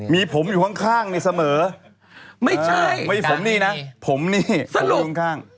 มีผมอยู่ข้างข้างในเสมอไม่ใช่ไม่ผมนี่น่ะผมนี่ผมอยู่ข้าง